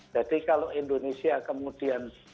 jadi kalau indonesia kemudian